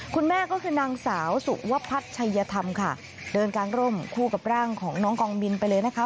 คุณแม่ก็คือนางสาวสุวพัฒน์ชัยธรรมค่ะเดินกางร่มคู่กับร่างของน้องกองบินไปเลยนะคะ